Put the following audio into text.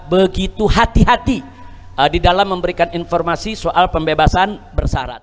begitu hati hati di dalam memberikan informasi soal pembebasan bersarat